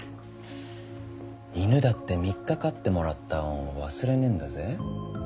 犬だって３日飼ってもらった恩を忘れねえんだぜ。